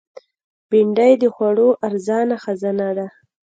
بېنډۍ د خوړو ارزانه خزانه ده